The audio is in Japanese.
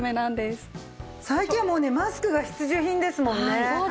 最近はもうねマスクが必需品ですもんね。